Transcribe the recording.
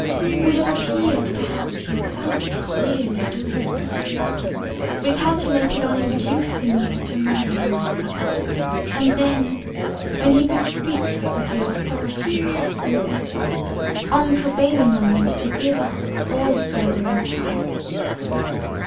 "We have appeared to help you, without really doing so; we calculated on inducing you to marry my brother, and then (when he could speak with the authority of a husband) on prevailing on you to give up all further inquiries.